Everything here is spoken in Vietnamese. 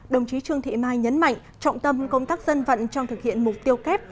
đồng chí trương thị mai nhấn mạnh trọng tâm công tác dân vận trong thực hiện mục tiêu kép